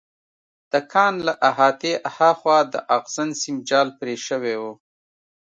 د کان له احاطې هاخوا د اغزن سیم جال پرې شوی و